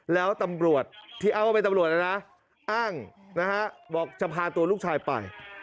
แล้วตำรวจที่อ้างว่าเป็นตำรวจนะนะอ้างนะฮะบอกจะพาตัวลูกชายไป